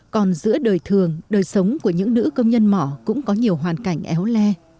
còn giữa đời thường đời sống của những nữ công nhân mỏ cũng có nhiều hoàn cảnh éo le